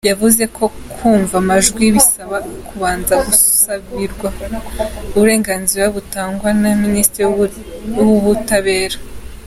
Yavuze ko kumva amajwi bisaba kubanza gusabirwa uburenganzira butangwa na ministre w’ubutabera.